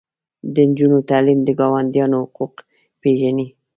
د نجونو تعلیم د ګاونډیانو حقوق پیژني.